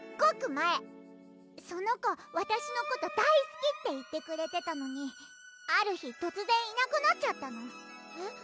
前その子わたしのこと大すきって言ってくれてたのにある日突然いなくなっちゃったのえっ？